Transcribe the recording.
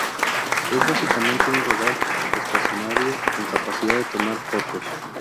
Es básicamente un radar estacionario con capacidad de tomar fotos.